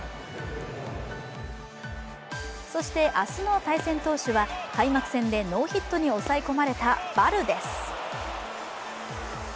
そして、明日の対戦投手は開幕戦でノーヒットに抑え込まれたバルデス。